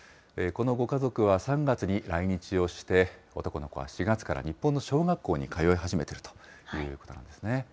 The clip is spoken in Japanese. このご家族は３月に来日をして、男の子は４月から日本の小学校に通い始めているということなんですね。